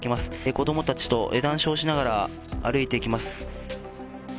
子どもたちと談笑しながら歩いていきます。